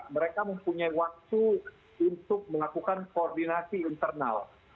mereka mempunyai waktu untuk melakukan koordinasi internal